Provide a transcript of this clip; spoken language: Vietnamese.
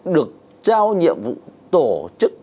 được trao nhiệm vụ tổ chức